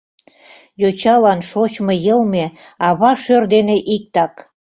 Йочалан шочмо йылме ава шӧр дене иктак.